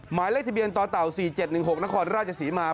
หมายเลขทะเบียนต่อเต่า๔๗๑๖นครราชศรีมา